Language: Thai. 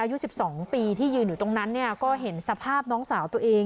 อายุ๑๒ปีที่ยืนอยู่ตรงนั้นเนี่ยก็เห็นสภาพน้องสาวตัวเอง